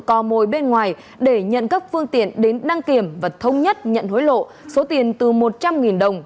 cò mồi bên ngoài để nhận các phương tiện đến đăng kiểm và thông nhất nhận hối lộ số tiền từ một trăm linh đồng